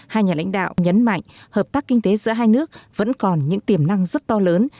hai nhà lãnh đạo nhấn mạnh hợp tác kinh tế giữa hai nước vẫn còn những tiềm năng rất to lớn